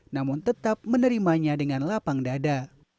namun tetap menerimanya dengan lapang dada